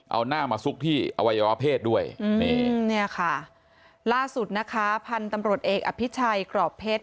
เอาหน้ามาซุกที่อวัยวะเพศด้วยนี่เนี่ยค่ะล่าสุดนะคะพันธุ์ตำรวจเอกอภิชัยกรอบเพชร